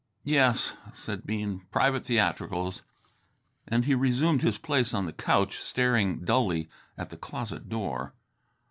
"Yes," said Bean, "private theatricals," and resumed his place on the couch, staring dully at the closet door.